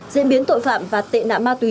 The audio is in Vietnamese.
diễn biến tội phạm và tệ nạn ma túy